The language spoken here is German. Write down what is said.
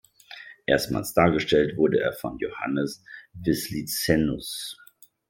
Erstmals dargestellt wurde er von Johannes Wislicenus.